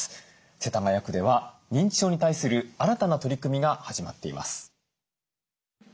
世田谷区では認知症に対する新たな取り組みが始まっています。